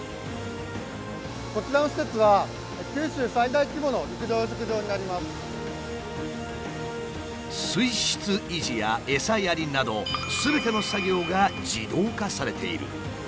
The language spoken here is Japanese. こちらの施設は水質維持やエサやりなどすべての作業が自動化されている。